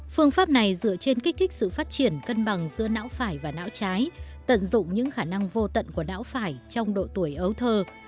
phương pháp này dựa trên kích thích sự phát triển cân bằng giữa não phải và não trái tận dụng những khả năng vô tận của não phải trong độ tuổi ấu thơ